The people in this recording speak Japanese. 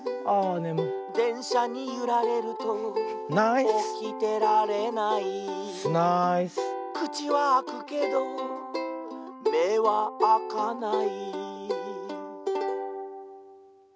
「でんしゃにゆられるとおきてられない」「くちはあくけどめはあかない」